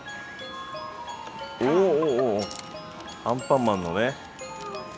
アンパンマンのね。